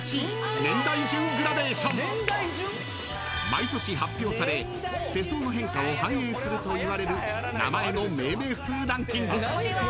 ［毎年発表され世相の変化を反映するといわれる名前の命名数ランキング］